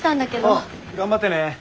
うん頑張ってね！